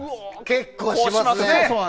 結構しますね！